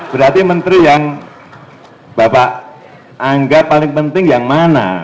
berarti menteri yang bapak anggap paling penting yang mana